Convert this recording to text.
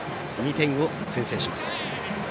２点を先制します。